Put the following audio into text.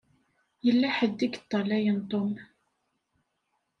Yella ḥedd i yeṭṭalayen Tom.